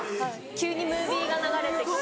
急にムービーが流れてきて。